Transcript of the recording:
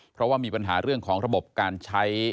เพราะว่ามีปัญหาเรื่องของระบบการใช้